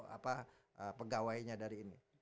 apa pegawainya dari ini